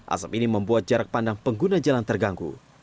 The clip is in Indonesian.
asap ini membuat jarak pandang pengguna jalan terganggu